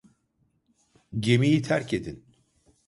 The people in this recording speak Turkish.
Gemiyi terk edin!